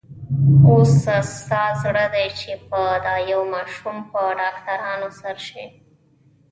اوس ستا زړه دی چې په دا يوه ماشوم په ډاکټرانو سر شې.